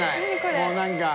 もう何か。